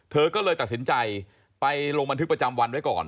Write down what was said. เธอก็เลยตัดสินใจไปลงบันทึกประจำวันไว้ก่อน